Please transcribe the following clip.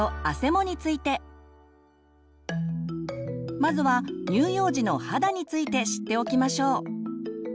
まずは乳幼児の肌について知っておきましょう。